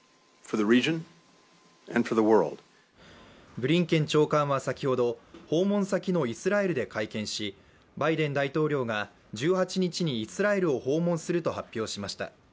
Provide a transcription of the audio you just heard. ブリンケン長官は先ほど、訪問先のイスラエルで会見し、バイデン大統領が１８日にイスラエルを訪問すると発表しました。